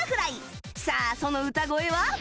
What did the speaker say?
さあその歌声は？